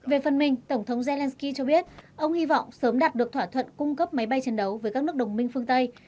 về phần mình tổng thống zelensky cho biết ông hy vọng sớm đạt được thỏa thuận cung cấp máy bay chiến đấu với các nước đồng minh phương tây